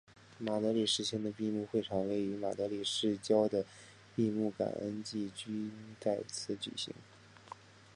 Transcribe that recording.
马德里世青的闭幕会场位于马德里市郊的的闭幕感恩祭均在此举行。